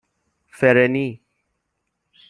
فرنی